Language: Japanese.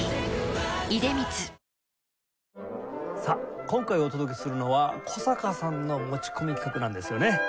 さあ今回お届けするのは古坂さんの持ち込み企画なんですよね。